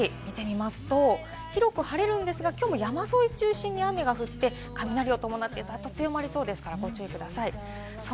きょうの天気を見てみますと、広く晴れるんですが、きょう山沿いを中心に雨が降って、雷を伴ってざっと強まりそうですから、ご注意ください。